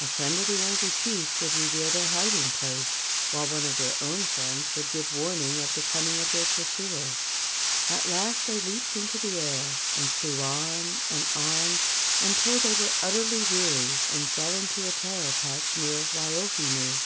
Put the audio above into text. A friend of the angry chief would reveal their hiding place, while * Also kalo, Calocasia antiquorum. 28 LEGENDS OF GHOSTS one of their own friends would give warning of the coming of their pursuer. At last they leaped into the air and flew on and on until they were utterly weary and fell into a taro patch near Waiohinu.